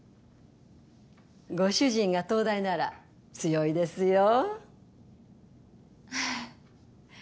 ご主人が東大なら強いですよ。